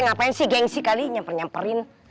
ngapain sih gengsi kali ini nyamper nyamperin